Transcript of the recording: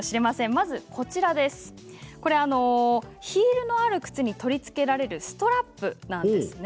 まずはヒールのある靴に取り付けられるストラップなんです。